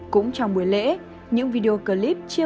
cũng trong buổi lễ những video clip chiếm